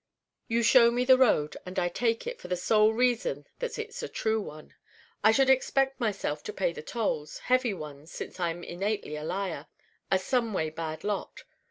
You show me the road and I take it for the sole reason that it's a true one. I should expect myself to pay the tolls heavy ones since I'm innately a liar, a someway bad lot.